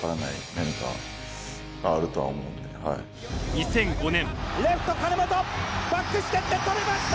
２００５年。